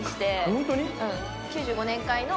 ホントに？